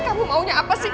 kamu maunya apa sih